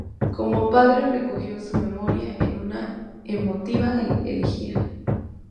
Como padre recogió su memoria en una emotiva elegía.